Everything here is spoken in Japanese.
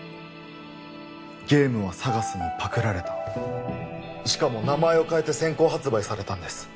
ゲームはＳＡＧＡＳにパクられたしかも名前を変えて先行発売されたんです